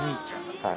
はい。